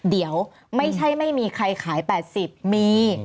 เดี๋ยวไม่ใช่ไม่มีใครขาย๘๐มี